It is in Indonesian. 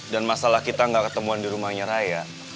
dan masalah kita gak ketemuan di rumahnya raya